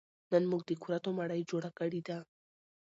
نن موږ د کورتو مړۍ جوړه کړې ده